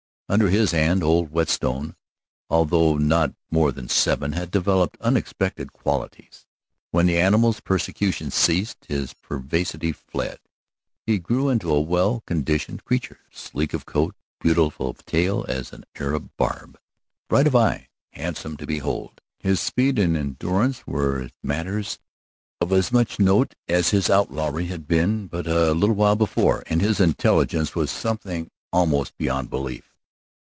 Under his hand old Whetstone although not more than seven had developed unexpected qualities. When the animal's persecution ceased, his perversity fled. He grew into a well conditioned creature, sleek of coat, beautiful of tail as an Arab barb, bright of eye, handsome to behold. His speed and endurance were matters of as much note as his outlawry had been but a little while before, and his intelligence was something almost beyond belief.